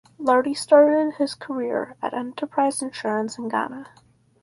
Lartey started his career at Enterprise Insurance in Ghana.